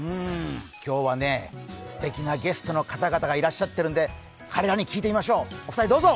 今日はね、すてきなゲストの方々がいらっしゃってるので彼らに聞いてみましょう、お二人どうぞ！